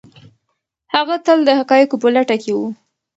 هغه تل د حقایقو په لټه کي و.